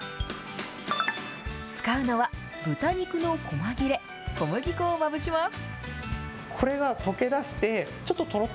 使うのは、豚肉のこま切れ、小麦粉をまぶします。